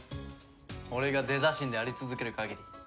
俺がデザ神であり続ける限り。